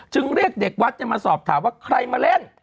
เรียกเด็กวัดมาสอบถามว่าใครมาเล่น